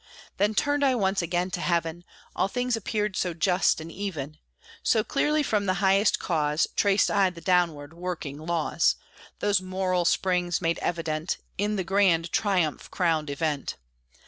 Then turned I once again to Heaven; All things appeared so just and even; So clearly from the highest Cause Traced I the downward working laws Those moral springs, made evident, In the grand, triumph crowned event.